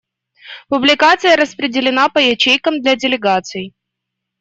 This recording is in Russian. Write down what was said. Публикация распределена по ячейкам для делегаций.